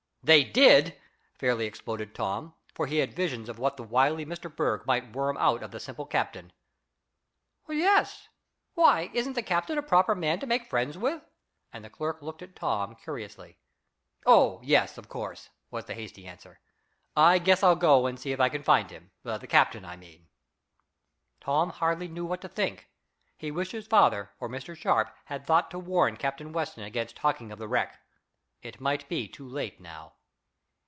"They did?" fairly exploded Tom, for he had visions of what the wily Mr. Berg might worm out of the simple captain. "Yes. Why, isn't the captain a proper man to make friends with?" and the clerk looked at Tom curiously. "Oh, yes, of course," was the hasty answer. "I guess I'll go and see if I can find him the captain, I mean." Tom hardly knew what to think. He wished his father, or Mr. Sharp, had thought to warn Captain Weston against talking of the wreck. It might be too late now.